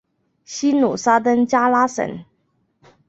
西努沙登加拉省。